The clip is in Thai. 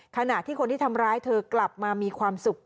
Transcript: ขณะที่คนที่ทำร้ายเธอกลับมามีความสุข